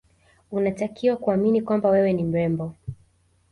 Unatakiwa kuamini kwamba wewe ni mrembo